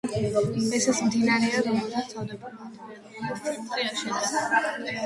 ეს ის მდინარეა, რომელზეც თავდაპირველად ბერლინის ცენტრი აშენდა.